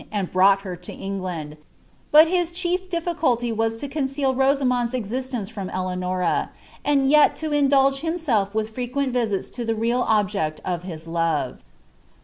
and brought her to England ; but his chief difSruliy waa to conceal Rosamond's existence from Elcanora, and yet to indulge htmaelf with frequcnl visits to the real ob|ect of his love.